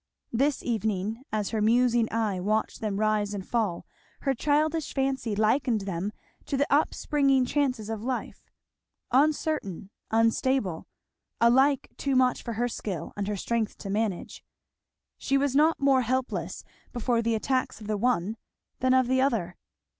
This evening as her musing eye watched them rise and fall her childish fancy likened them to the up springing chances of life, uncertain, unstable, alike too much for her skill and her strength to manage. She was not more helpless before the attacks of the one than of the other.